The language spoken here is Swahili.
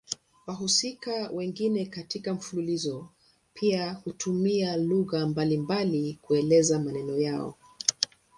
Wahusika wengine katika mfululizo pia hutumia lugha mbalimbali kuelezea maneno yao.